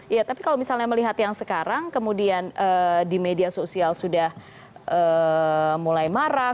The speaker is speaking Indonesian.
ya tapi kalau misalnya melihat yang sekarang kemudian di media sosial sudah mulai marah